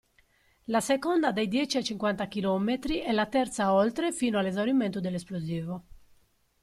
La seconda dai dieci ai cinquanta chilometri e la terza oltre, fino all'esaurimento dell'esplosivo.